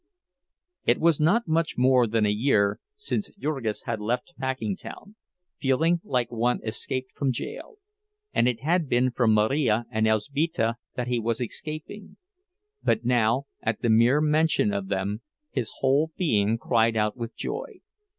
It was not much more than a year since Jurgis had left Packingtown, feeling like one escaped from jail; and it had been from Marija and Elzbieta that he was escaping. But now, at the mere mention of them, his whole being cried out with joy.